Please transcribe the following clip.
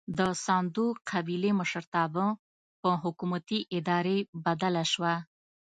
د ساندو قبیلې مشرتابه پر حکومتي ادارې بدله شوه.